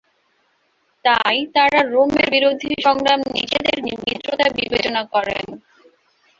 তাই তারা রোমের বিরুদ্ধে সংগ্রামে নিজেদের মিত্রতা বিবেচনা করেন।